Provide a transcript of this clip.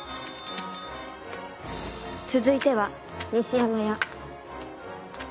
続いては西山家。